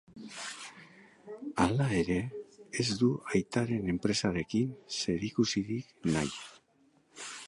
Hala ere, ez du aitaren enpresekin zerikusirik nahi.